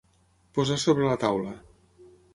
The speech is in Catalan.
Posar sobre la taula.